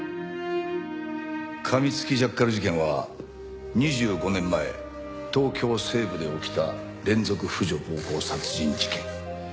かみつきジャッカル事件は２５年前東京西部で起きた連続婦女暴行殺人事件。